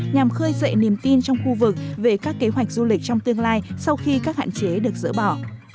nhằm khơi dậy niềm tin trong khu vực về các kế hoạch du lịch trong tương lai sau khi các hạn chế được dỡ bỏ